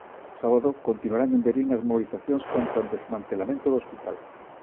O sábado continuarán en Verín as mobilizacións contra o desmantelamento do hospital.